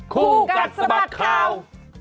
คู่กัดสมัครข่าว